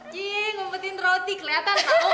ji ngumpetin roti keliatan kan lo